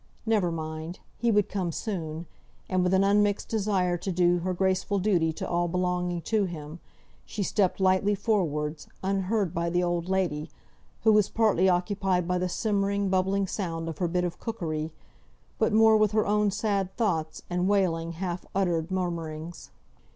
Never mind! he would come soon: and with an unmixed desire to do her grateful duty to all belonging to him, she stepped lightly forwards, unheard by the old lady, who was partly occupied by the simmering, bubbling sound of her bit of cookery; but more with her own sad thoughts, and wailing, half uttered murmurings.